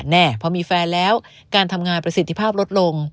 แน่พอมีแฟนแล้วการทำงานประสิทธิภาพลดลง